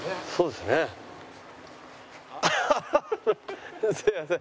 すいません。